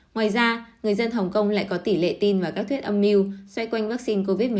ngoài ra người dân hồng kông lại có tỷ lệ tin vào các thuyết âm mưu xoay quanh vaccine covid một mươi chín